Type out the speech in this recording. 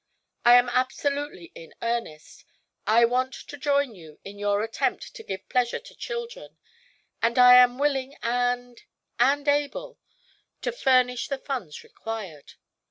I am absolutely in earnest. I want to join you in your attempt to give pleasure to children, and I am willing and and able to furnish the funds required.